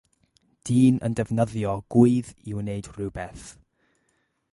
Dyn yn defnyddio gwŷdd i wneud rhywbeth.